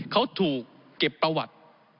เขาถูกเก็บประวัติ